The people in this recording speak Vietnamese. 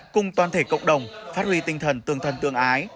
cùng toàn thể cộng đồng phát huy tinh thần tương thân tương ái